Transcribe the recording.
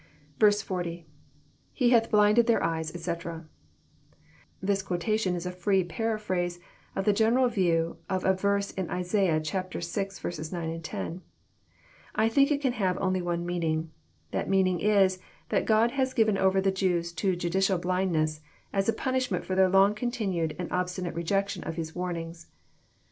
*" 40. — [_He Thoth blinded their eyes, etc,'] This quotation is a free paraphrase of the general view of a verse in Isaiah vi. 9, 10. I think it can only have one meaning. That meaning is, that "God had given over the Jews to judicial blindness, as a punishment for their long continued and obstinate rejection of His warnings."